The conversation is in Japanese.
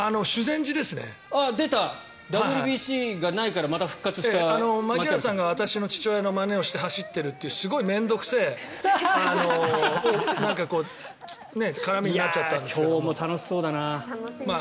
出た、ＷＢＣがないから槙原さんが私の父親のまねをして走っているというすごい面倒臭い絡みになっちゃったんですけど今日も楽しそうだな。